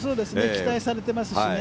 期待されていますしね。